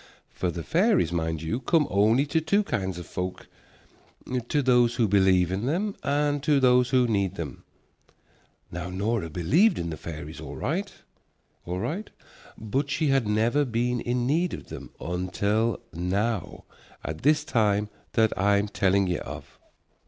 For the fairies, mind you, come only to two kinds of folk, to those who believe in them and to those who need them. Now Nora believed in the fairies all right, all right, but she had never been in need of them until now, at this time that I'm telling ye of.